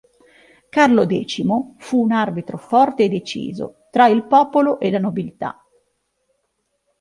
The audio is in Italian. Carlo X fu un arbitro forte e deciso tra il popolo e la nobiltà.